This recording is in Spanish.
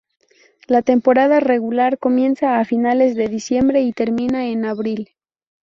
La temporada regular comienza a finales de diciembre y termina en abril.